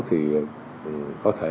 thì có thể